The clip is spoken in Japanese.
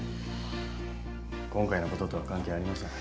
今回のこととは関係ありません。